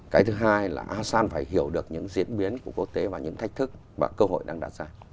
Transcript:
cái thứ hai là asean phải hiểu được những diễn biến của quốc tế và những thách thức và cơ hội đang đặt ra